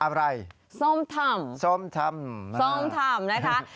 อะไรส้มตำส้มตำส้มตำ